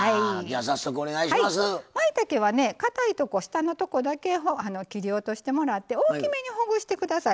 まいたけはかたいとこ、下のとこだけ切り落としてもらって大きめにほぐしてください。